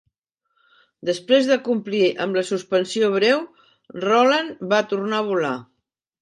Després de complir amb la suspensió breu, Roland va tornar a volar.